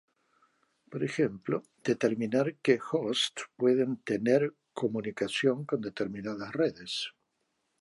Por ejemplo, determinar que hosts pueden tener comunicación con determinadas redes.